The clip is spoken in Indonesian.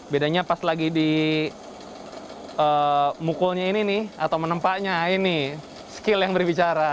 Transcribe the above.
bedanya pas lagi di mukulnya ini nih atau menempaknya ini skill yang berbicara